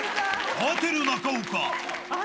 慌てる中岡。